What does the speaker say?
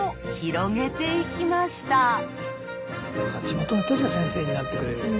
地元の人たちが先生になってくれるんだ。